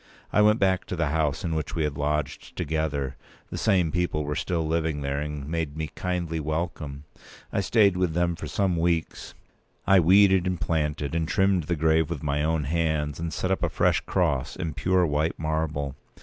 I went back to the house in which we had lodged together. The same people were still living there, and made me kindly welcome. I stayed with them for some weeks. I weeded, and planted, and trimmed the grave with my own hands, and set up a fresh cross in pure white marble.